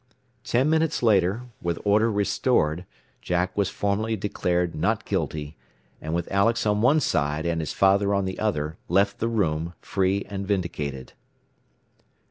Ten minutes later, with order restored, Jack was formally declared "Not guilty," and with Alex on one side and his father on the other, left the room, free and vindicated.